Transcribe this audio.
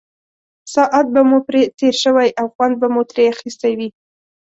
ساعت به مو پرې تېر شوی او خوند به مو ترې اخیستی وي.